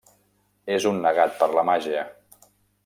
És un negat per la màgia.